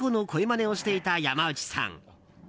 まねをしていた山内さん。